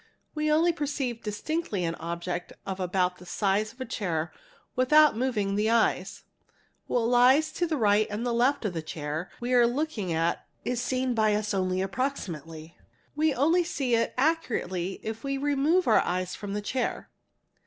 We only perceive distinctly an object of about the size of a chair without moving the eyes; what lies to the right and left of the chair we are looking at is seen by us only approximately; we only see it accurately if we ' "remove our eyes from the chair.